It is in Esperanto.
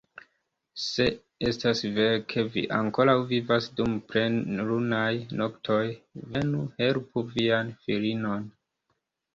Se estas vere ke vi ankoraŭ vivas dum plenlunaj noktoj, venu, helpu vian filinon!